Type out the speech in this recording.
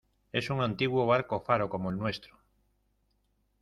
es un antiguo barco faro como el nuestro